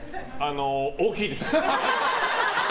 大きいです。